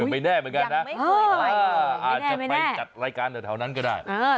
ไม่แน่เหมือนกันนะอาจจะไปจัดรายการแถวนั้นก็ได้